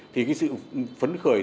thì cái sự phấn khởi